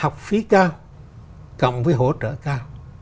học phí cao cộng với hỗ trợ cao